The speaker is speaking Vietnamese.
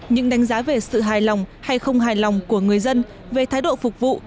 những đánh giá về sự hài lòng hay không hài lòng của người dân về thái độ phục vụ